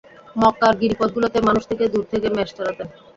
মক্কার গিরিপথগুলোতে মানুষ থেকে দূরে থেকে মেষ চরাতেন।